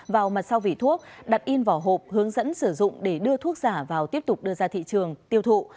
vào mặt sau vỉ thuốc đặt in vỏ hộp hướng dẫn sử dụng để đưa thuốc giả vào tiếp tục đưa ra thị trường tiêu thụ